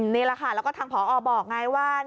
นี่แหละค่ะแล้วก็ทางผอบอกไงว่า